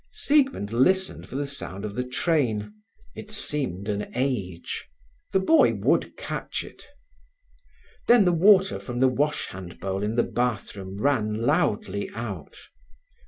Siegmund listened for the sound of the train; it seemed an age; the boy would catch it. Then the water from the wash hand bowl in the bathroom ran loudly out.